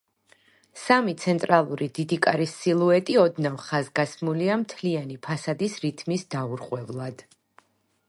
სამი ცენტრალური დიდი კარის სილუეტი ოდნავ ხაზგასმულია მთლიანი ფასადის რითმის დაურღვევლად.